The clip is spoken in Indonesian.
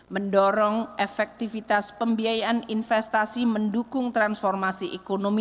mendorong efektivitas pembiayaan investasi mendukung transformasi ekonomi